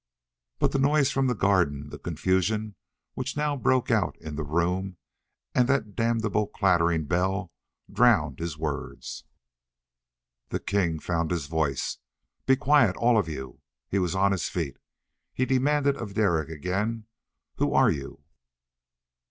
But the noise from the garden, the confusion which now broke out in the room, and that damnable clattering bell, drowned his words. The king found his voice. "Be quiet, all of you!" He was on his feet. He demanded of Derek again, "Who are you?"